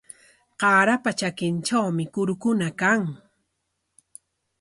Qaarapa trakintrawmi kurukuna kan.